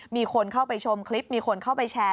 มีคนเข้าไปชมคลิปมีคนเข้าไปแชร์